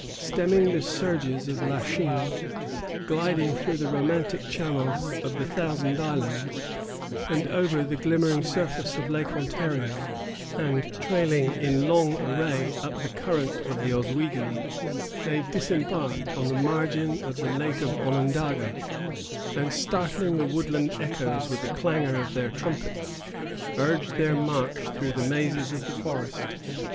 Stemming the surges of La Chine, gliding through the romantic channels of the Thousand Islands, and over the glimmering surface of Lake Ontario, and trailing in long array up the current of the Oswego, they disembarked on the margin of the Lake of Onondaga; and, startling the woodland echoes with the clangor of their trumpets, urged their march through the mazes of the forest.